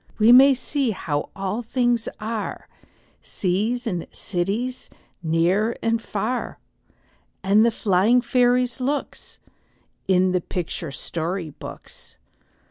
We may see how all things are, Seas and cities, near and far, And the flying fairies' looks, In the picture story books.